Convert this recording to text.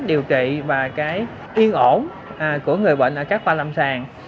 điều trị và cái yên ổn của người bệnh ở các khoa lâm sàng